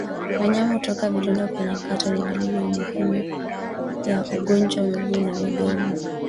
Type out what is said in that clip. Wanyama kutoka vidonda kwenye kwato ni dalili muhimu ya ugonjwa wa miguu na midomo